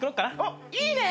いいね！